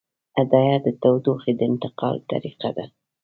هدایت د تودوخې د انتقال طریقه ده.